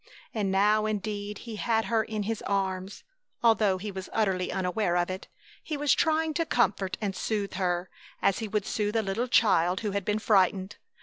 And now indeed he had her in his arms, although he was utterly unaware of it. He was trying to comfort and soothe her, as he would soothe a little child who had been frightened.